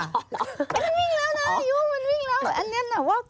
มันวิ่งแล้วนะอยู่มันวิ่งแล้วอันนี้หน่อย